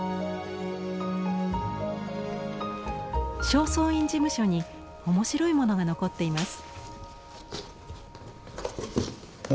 正倉院事務所に面白いものが残っています。